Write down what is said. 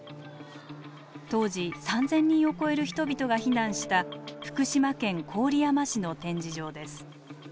当時３，０００人を超える人々が避難した福島県郡山市の展示場です。